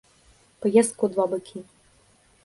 Паездка ў два бакі.